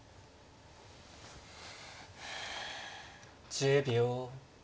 １０秒。